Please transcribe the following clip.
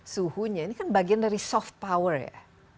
suhunya ini kan bagian dari soft power ya